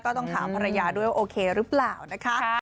ก็ต้องถามภรรยาด้วยว่าโอเครึเปล่านะครับ